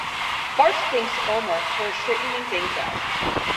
Bart thanks Homer for straightening things out.